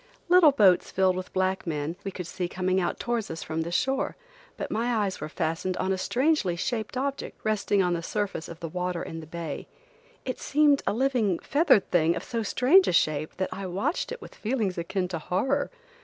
Little boats filled with black men, we could see coming out towards us from the shore, but my eyes were fastened on a strangely shaped object, resting on the surface of the water in the bay. It seemed a living, feathered thing of so strange a shape that I watched it with feelings akin to horror.